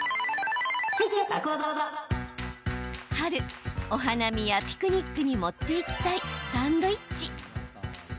春、お花見やピクニックに持っていきたいサンドイッチ。